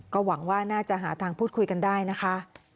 ก็หวังว่าน่าจะหาทางพูดคุยกันได้นะคะ